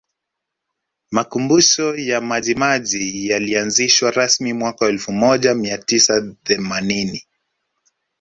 Makumbusho ya Majimaji yalianzishwa rasmi mwaka elfu moja mia tisa themanini